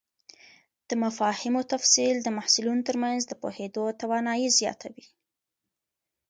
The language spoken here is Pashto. د مفاهیمو تفصیل د محصلینو تر منځ د پوهېدو توانایي زیاتوي.